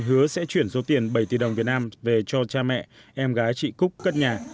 hứa sẽ chuyển số tiền bảy tỷ đồng việt nam về cho cha mẹ em gái chị cúc cất nhà